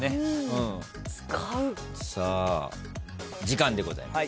使う？さあ時間でございます。